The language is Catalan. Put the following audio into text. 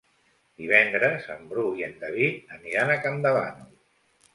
Divendres en Bru i en David aniran a Campdevànol.